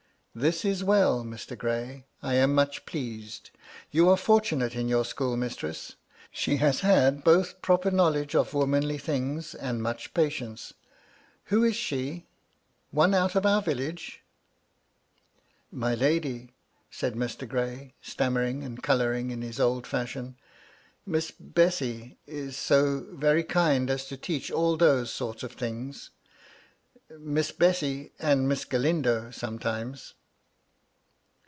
" This is well, Mr. Gray. I am much pleased. You are fortunate in your schoolmistress. She has had both proper knowledge of womanly things and much patience. Who is she ? One out of our village ?"" My lady," said Mr. Gray, stammering and colour ing in his old fashion, " Miss Bessy is so very kind as to teach all those sorts of things — ^Miss Bessy, and Miss Galindo, sometimes."